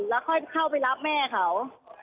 แล้วเข้าไปรับแม่เขา